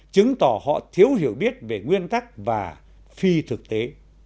chứng tỏ họ thiếu hiểu biết về nguyên tắc và phi thực tế